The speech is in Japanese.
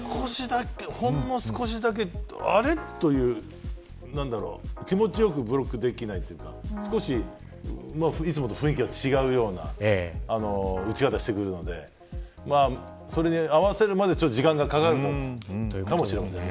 ほんの少しだけあれっという気持ち良くブロックできないというかいつもと雰囲気が違うような打ち方をしてくるので合わせるまで時間がかかると思います。